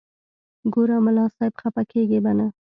ګوره ملا صاحب خپه کېږې به نه.